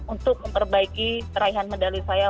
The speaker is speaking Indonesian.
untuk memperbaiki raihan medali saya